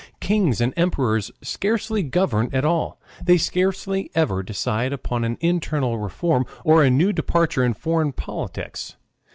Kings and emperors scarcely govern at all; they scarcely ever decide upon an internal reform or a new departure in foreign politics.